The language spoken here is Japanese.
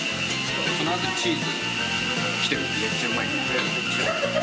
そのあとチーズ来てめっちゃうまい。